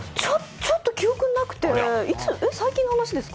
ちょっと記憶になくて最近の話ですか？